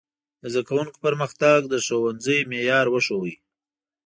د زده کوونکو پرمختګ د ښوونځي معیار وښود.